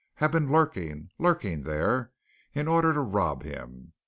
have been lurking lurking! there, in order to rob him.